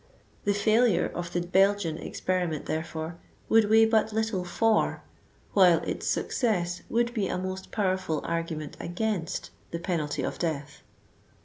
The failure of the Bel 99 gian experiment, therefore, would weigh but little /or, while its success would be a most powerful argument against the penalty of death.